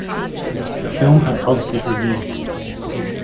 The film had positive reviews.